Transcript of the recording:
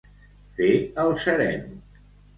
Fer el sereno.